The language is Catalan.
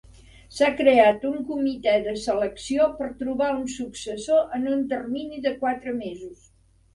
S'ha creat un comitè de selecció per trobar un successor en un termini de quatre mesos.